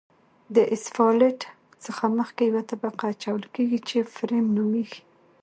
د اسفالټ څخه مخکې یوه طبقه اچول کیږي چې فریم نومیږي